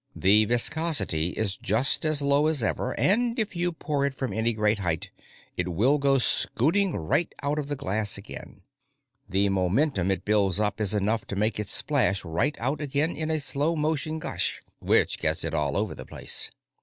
The viscosity is just as low as ever, and if you pour it from any great height, it will go scooting right out of the glass again. The momentum it builds up is enough to make it splash right out again in a slow motion gush which gets it all over the place.